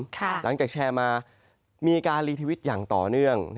หลังจากแชร์มามีการรีทวิตอย่างต่อเนื่อง